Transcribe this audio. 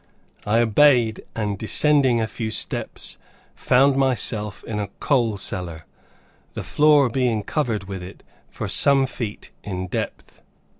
I obeyed, and descending a few steps found myself in a coal cellar, the floor being covered with it for some feet in depth.